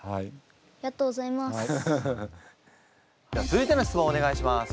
続いての質問をお願いします。